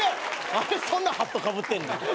何でそんなハットかぶってんねん。